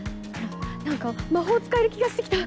何か魔法使える気がしてきた。